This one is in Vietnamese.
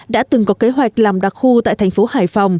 đã từng có kế hoạch làm đặc khu tại thành phố